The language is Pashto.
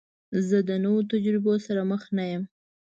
زه د نوو تجربو سره مخ نه یم.